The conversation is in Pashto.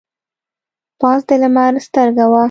پاس د لمر سترګه وه.